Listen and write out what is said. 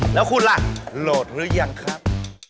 แล้วคุณล่ะโหลดหรือยังครับ